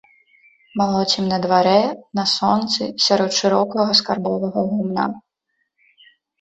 Малоцім на дварэ, на сонцы, сярод шырокага скарбовага гумна.